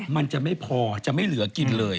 มันจะไม่พอจะไม่เหลือกินเลย